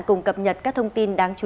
cùng cập nhật các thông tin